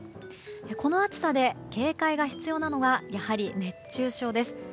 この暑さで警戒が必要なのがやはり熱中症です。